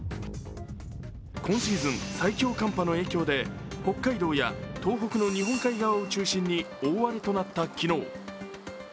今シーズン最強寒波の影響で北海道や東北の日本海側を中心に大荒れとなった昨日。